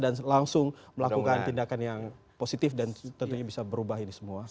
dan langsung melakukan tindakan yang positif dan tentunya bisa berubah ini semua